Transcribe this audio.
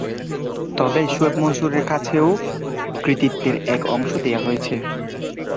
তবে শোয়েব মনসুরের কাছেও কৃতিত্বের এক অংশ দেয়া হয়েছে।